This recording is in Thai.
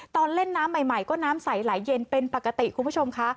ตอนเล่นน้ำใหม่ก็น้ำใสไหลเย็นเป็นปกติคุณผู้ชมค่ะ